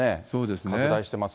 そうですね。